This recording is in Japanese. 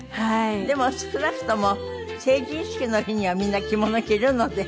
でも少なくとも成人式の日にはみんな着物着るので。